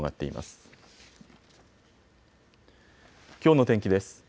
きょうの天気です。